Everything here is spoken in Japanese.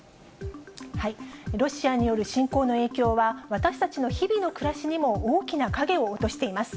ロシアによる侵攻の影響は、私たちの日々の暮らしにも大きな影を落としています。